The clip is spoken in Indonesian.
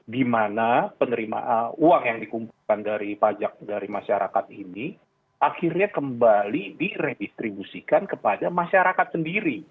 di mana uang yang dikumpulkan dari pajak dari masyarakat ini akhirnya kembali diredistribusikan kepada masyarakat sendiri